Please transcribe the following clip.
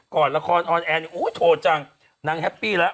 ก่อนละครออนแอนด์โถจังนางแฮปปี้ละ